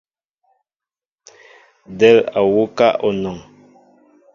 Del á wuká anɔn.